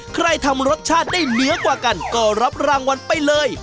ใครทำรสชาติได้เหนือกว่ากันก็รับรางวัลไปเลย